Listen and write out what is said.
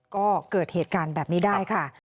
ก็เกิดเหตุการณ์แบบนี้ได้ค่ะ